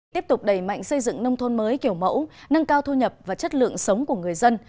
tiếp tục đẩy mạnh xây dựng nông thôn mới kiểu mẫu nâng cao thu nhập và chất lượng sống của người dân